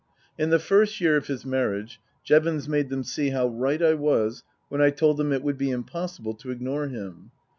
In the first year of his marriage Jevons made them see how right I was when I told them it would be impossible to ignore him.